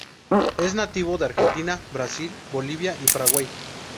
Es nativo de Argentina, Brasil, Bolivia y Paraguay.